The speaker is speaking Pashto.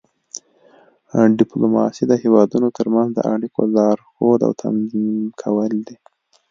ډیپلوماسي د هیوادونو ترمنځ د اړیکو لارښود او تنظیم کول دي